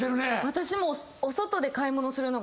私も。